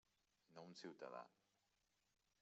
No un ciutadà.